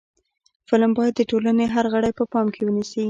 فلم باید د ټولنې هر غړی په پام کې ونیسي